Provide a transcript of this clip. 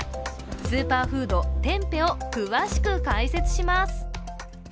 スーパーフード、テンペを詳しく解説します。